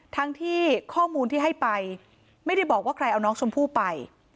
ทั้งที่ข้อมูลที่ให้ไปไม่ได้บอกว่าใครเอาน้องชมพู่ไป